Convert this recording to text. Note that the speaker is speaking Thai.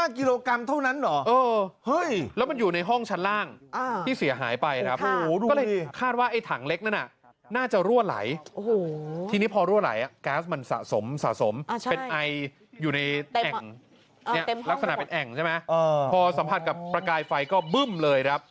ก็คาดว่าถังเล็กนนะน่าจะรั่วไหล